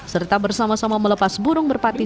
serta bersama sama melepas burung merpati